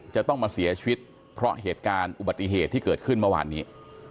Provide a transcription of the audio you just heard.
จะต้องมาเสียชีวิตเพราะเหตุการณ์อุบัติเหตุที่เกิดขึ้นเมื่อวานนี้